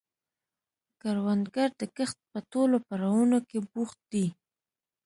کروندګر د کښت په ټولو پړاوونو کې بوخت دی